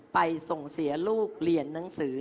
ไปส่งเสียลูกเรียนหนังสือ